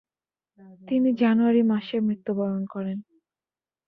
তিনি জানুয়ারি মাসে মৃত্যুবরণ করেন।